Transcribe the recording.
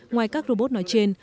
ngoài các robot nói trên